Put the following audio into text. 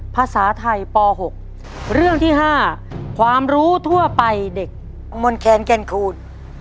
ภาษาไทยป๖เรื่องที่๕ความรู้ทั่วไปเด็กมนแคนแก่นคูณ